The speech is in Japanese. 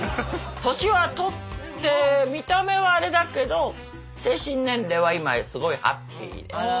年は取って見た目はあれだけど精神年齢は今すごいハッピーです。